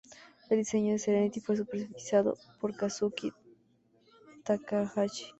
El diseño de Serenity fue supervisado por Kazuki Takahashi.